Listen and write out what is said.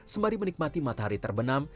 sembari menikmati matahari terbenam